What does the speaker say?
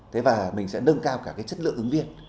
thế và mình sẽ nâng cao cả cái chất lượng ứng viên